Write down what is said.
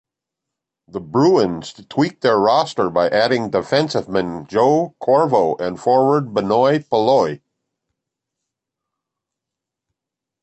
The Bruins tweaked their roster by adding defenseman Joe Corvo and forward Benoit Pouliot.